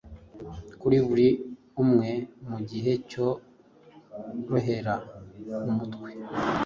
Kuri buri umwe mu igihe cyo roherera umutwe